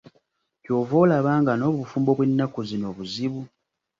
Ky'ova olaba nga n'obufumbo bwe nnaku zino buzibu.